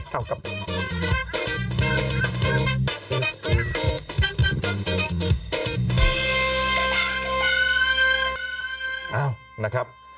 เอ้านะครับ